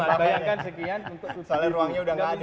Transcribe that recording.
bayangkan sekian untuk usaha ruangnya sudah gak ada nih pak